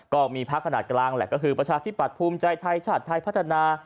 ก็มีพักขนาดกลางแหละก็คือประชาธิปัตย์ภูมิใจไทยชาติไทยพัฒนา